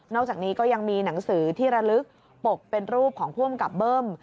อกจากนี้ก็ยังมีหนังสือที่ระลึกปกเป็นรูปของผู้อำกับเบิ้ม